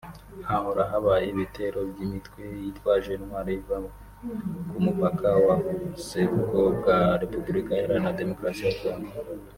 hahora habaye ibitero by’imitwe yitwaje intwaro iva ku mupaka mu buseruko bwa Repubulika iharanira Demokarasi ya Congo